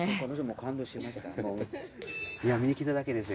今見に来ただけですよ。